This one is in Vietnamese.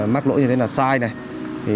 mắc lỗi như thế là sai